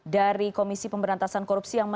dari komisi pemberantasan korupsi